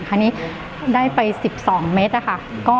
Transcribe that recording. คือได้ไป๑๒เมตรค่ะ